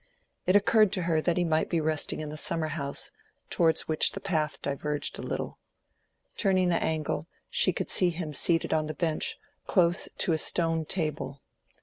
It occurred to her that he might be resting in the summer house, towards which the path diverged a little. Turning the angle, she could see him seated on the bench, close to a stone table.